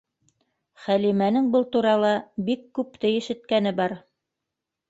Хәлимәнең был турала бик күпте ишеткәне бар.